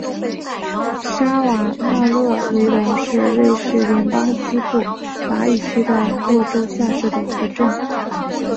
沙瓦讷勒维龙是瑞士联邦西部法语区的沃州下设的一个镇。